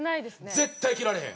絶対着られへん！